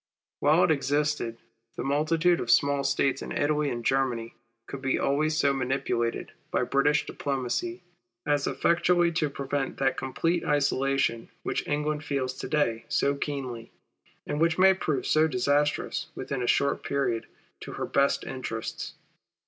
While it existed the multitude of small States in Italy and Germany could be always so manipulated by British diplomacy, as eifectually to prevent that complete isolation which England feels to day so keenly, and which may prove so disastrous within a short period to her best interests.